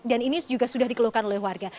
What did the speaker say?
dan ini juga sudah dikeluhkan oleh warga